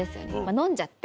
飲んじゃって。